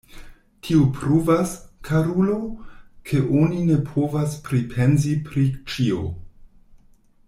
Tio pruvas, karulo, ke oni ne povas pripensi pri ĉio.